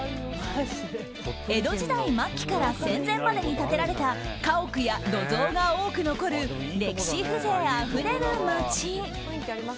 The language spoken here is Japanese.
江戸時代末期から戦前までに建てられた家屋や土蔵が多く残る歴史風情あふれる街。